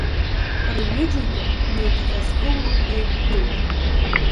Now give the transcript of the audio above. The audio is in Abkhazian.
Рҩыџьагьы неидӷьазкыло еиқәԥеит.